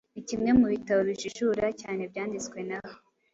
Ni kimwe mu bitabo bijijura cyane byanditswe na we.